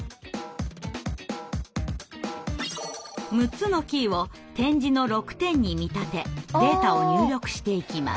６つのキーを点字の６点に見立てデータを入力していきます。